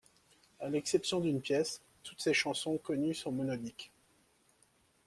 À l’exception d’une pièce, toutes ses chansons connues sont monodiques.